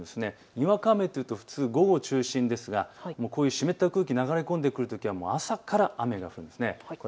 にわか雨というと普通、午後中心ですが、湿った空気が流れ込んでくるときは朝から雨が降るんです。